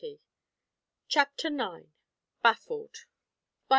Chapter 9: Baffled.